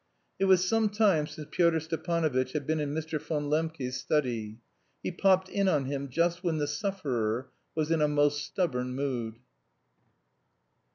It was some time since Pyotr Stepanovitch had been in Mr. von Lembke's study. He popped in on him just when the sufferer was in a most stubborn mood.